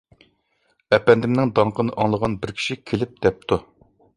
ئەپەندىمنىڭ داڭقىنى ئاڭلىغان بىر كىشى كېلىپ دەپتۇ.